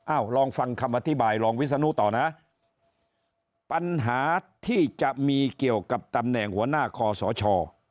ลองฟังคำอธิบายรองวิศนุต่อนะปัญหาที่จะมีเกี่ยวกับตำแหน่งหัวหน้าคอสช